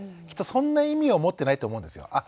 きっとそんな意味は持ってないと思うんですよ。